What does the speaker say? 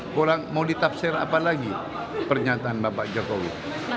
kurang mau ditafsir apa lagi pernyataan bapak jokowi